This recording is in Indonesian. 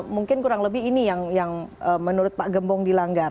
mungkin kurang lebih ini yang menurut pak gembong dilanggar